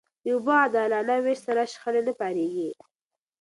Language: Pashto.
د اوبو عادلانه وېش سره، شخړې نه پارېږي.